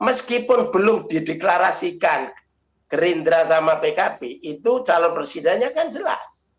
meskipun belum dideklarasikan gerindra sama pkb itu calon presidennya kan jelas